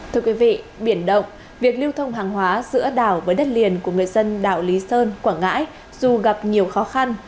thưa quý vị biển động việc lưu thông hàng hóa giữa đảo với đất liền của người dân đảo lý sơn quảng ngãi dù gặp nhiều khó khăn